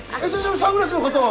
サングラスの方も。